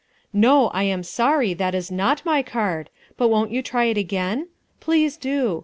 "NO. I AM SORRY. THAT IS NOT MY CARD. But won't you try it again? Please do.